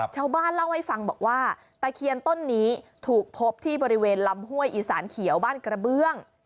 ชาวบ้านเล่าให้ฟังบอกว่าตะเคียนต้นนี้ถูกพบที่บริเวณลำห้วยอีสานเขียวบ้านกระเบื้อง